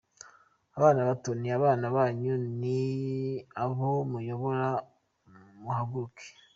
Abana bato! Ni abana banyu ni abo muyobora muhaguruke.